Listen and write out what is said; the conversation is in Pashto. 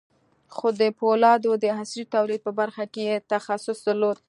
خو د پولادو د عصري تولید په برخه کې یې تخصص درلود